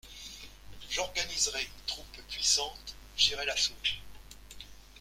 J'organiserais une troupe puissante ; j'irais la sauver.